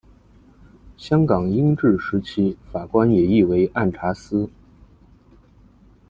香港英治时期法官也译为按察司。